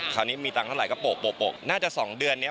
คราวนี้มีตังค์เท่าไหร่ก็โปะน่าจะ๒เดือนนี้